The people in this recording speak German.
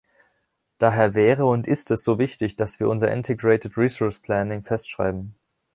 Daher wäre und ist es so wichtig, dass wir unser integrated ressource planning festschreiben.